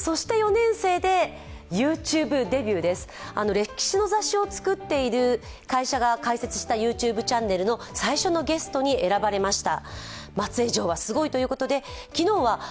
歴史の雑誌を作っている会社が開設したＹｏｕＴｕｂｅチャンネルの最初のゲストに選ばれました。